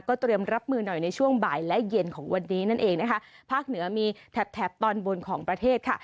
เตรียมรับมือหน่อยในช่วงบ่ายและเย็นของวันนี้นั่นเองนะคะภาคเหนือมีแถบแถบตอนบนของประเทศค่ะ